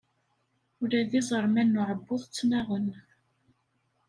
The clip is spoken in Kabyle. Ula d iẓerman n uɛebbuḍ ttnaɣen.